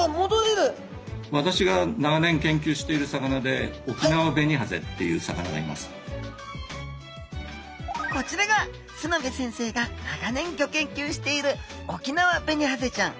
私が長年研究している魚でこちらが須之部先生が長年ギョ研究しているオキナワベニハゼちゃん